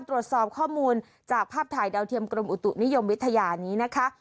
ตรวจสอบข้อมูลจากภาพถ่ายดาวเทียมกรมอุตุนิยมวิทยานี้นะคะ